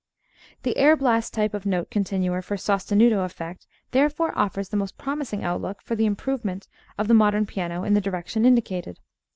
The air blast type of note continuer for sostenuto effect therefore offers the most promising outlook for the improvement of the modern piano in the direction indicated.